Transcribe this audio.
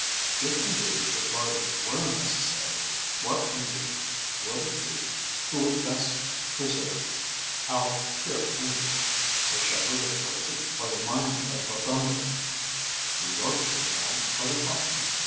If indeed a guardian were necessary, what Englishman would it be who would best preserve our pure English the shepherd of Dorset or the miner of Northumberland, the Yorkshire man or the cockney?